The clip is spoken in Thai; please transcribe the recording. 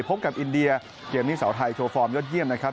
พบกับอินเดียเกมนี้สาวไทยโชว์ฟอร์มยอดเยี่ยมนะครับ